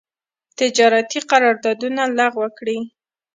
تجارتي قرارداونه لغو کړي.